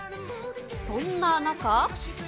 そんな中。